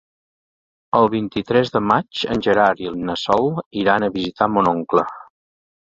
El vint-i-tres de maig en Gerard i na Sol iran a visitar mon oncle.